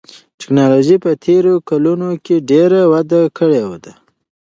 تکنالوژي په تېرو کلونو کې ډېره وده کړې ده.